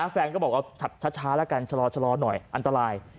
แฟนก็บอกว่าช้าแล้วกันชะลอหน่อยอันตราย